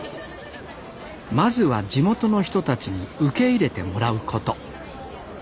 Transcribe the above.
まずは地元の人たちに受け入れてもらうこと。